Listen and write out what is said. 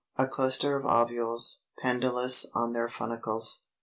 A cluster of ovules, pendulous on their funicles.